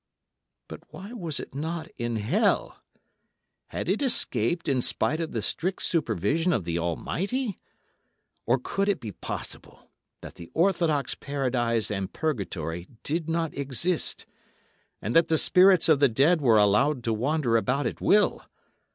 But why was it not in Hell? Had it escaped in spite of the strict supervision of the Almighty? Or could it be possible that the orthodox Paradise and Purgatory did not exist, and that the spirits of the dead were allowed to wander about at will?